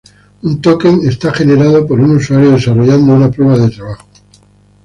Un token es generado por un usuario desarrollando una prueba de trabajo.